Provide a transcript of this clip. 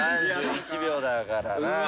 ３１秒だからな。